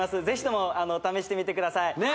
ぜひとも試してみてください